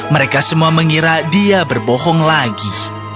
mereka semua mengira dia berbohong lagi